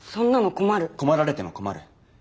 困られても困る。